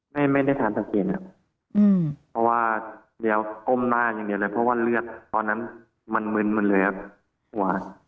ไม่ได้ทันสังเกตครับเพราะว่าเดี๋ยวก้มหน้าอย่างเดียวเลยเพราะว่าเลือดตอนนั้นมันมึนหมดเลยครับหัว